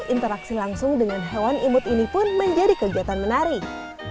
interaksi langsung dengan hewan imut ini pun menjadi kegiatan menarik